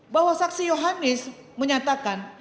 bahwa saksi yohanes menyatakan